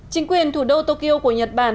chính quyền thủ đô tokyo của nhật bản